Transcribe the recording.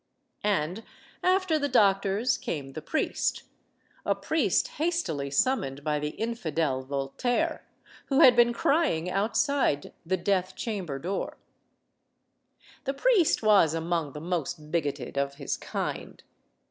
And after the doctors came the priest; a priest hastily summoned by the infidel Voltaire, who had been crying outside the death chamber door. The priest was among the most bigoted of his kind.